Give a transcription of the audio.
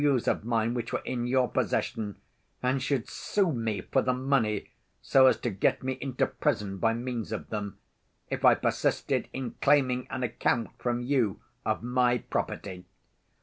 U.'s of mine which were in your possession, and should sue me for the money so as to get me into prison by means of them, if I persisted in claiming an account from you of my property.